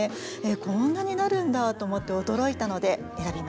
こんなになるんだと思って驚いたので選びました。